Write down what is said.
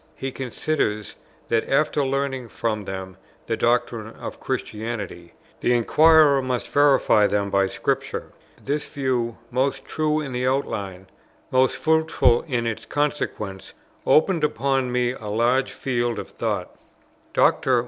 He considers, that, after learning from them the doctrines of Christianity, the inquirer must verify them by Scripture. This view, most true in its outline, most fruitful in its consequences, opened upon me a large field of thought. Dr.